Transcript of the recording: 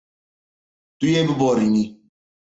Tu yê biborînî.